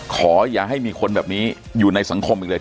ขออย่าให้มีคนแบบนี้อยู่ในสังคมอีกเลย